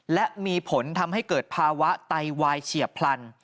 และมีผลทำให้เกิดภาวะไตวายเฉียบพลัน